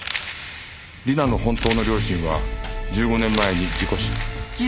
理奈の本当の両親は１５年前に事故死。